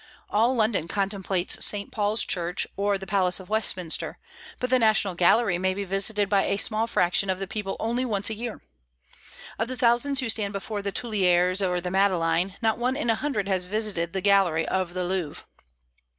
All London contemplates St. Paul's Church or the Palace of Westminster, but the National Gallery may be visited by a small fraction of the people only once a year. Of the thousands who stand before the Tuileries or the Madeleine not one in a hundred has visited the gallery of the Louvre.